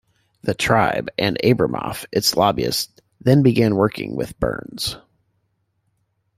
The tribe, and Abramoff, its lobbyist, then began working with Burns.